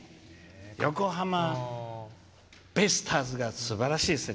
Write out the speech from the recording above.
横浜ベイスターズがすばらしいです。